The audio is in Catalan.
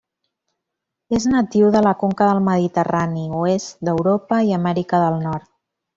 És natiu de la conca del Mediterrani, oest d'Europa i Amèrica del Nord.